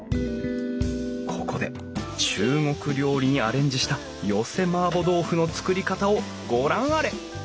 ここで中国料理にアレンジした寄せ麻婆豆腐の作り方をご覧あれ！